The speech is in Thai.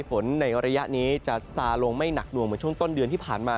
ในระยะนี้จะซาลงไม่หนักหน่วงเหมือนช่วงต้นเดือนที่ผ่านมา